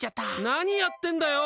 何やってんだよ！